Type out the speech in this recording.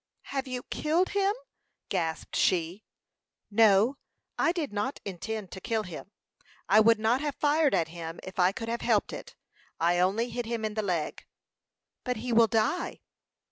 "Have you killed him?" gasped she. "No; I did not intend to kill him. I would not have fired at him if I could have helped it. I only hit him in the leg." "But he will die."